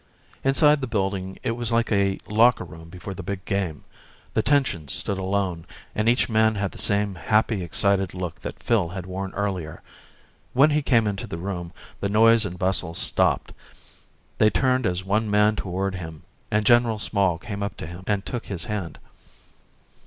Inside the building it was like a locker room before the big game. The tension stood alone, and each man had the same happy, excited look that Phil had worn earlier. When he came into the room, the noise and bustle stopped. They turned as one man toward him, and General Small came up to him and took his hand.